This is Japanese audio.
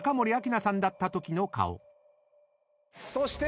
そして。